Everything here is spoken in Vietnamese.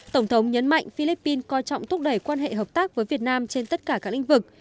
tổng thống nhấn mạnh philippines coi trọng thúc đẩy quan hệ hợp tác với việt nam trên tất cả các lĩnh vực